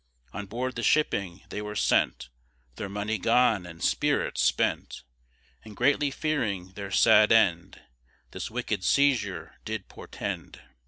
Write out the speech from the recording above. On board the shipping they were sent, Their money gone, and spirits spent, And greatly fearing their sad end, This wicked seizure did portend.